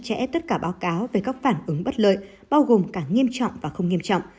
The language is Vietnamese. chặt chẽ tất cả báo cáo về các phản ứng bất lợi bao gồm cả nghiêm trọng và không nghiêm trọng